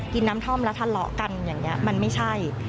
กินน้ำท่อมแล้วทะเลาะกันอย่างนี้มันไม่ใช่